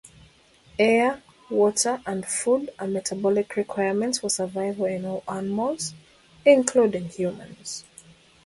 Air, water, and food are metabolic requirements for survival in all animals, including humans.